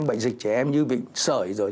bệnh dịch trẻ em như bị sởi rồi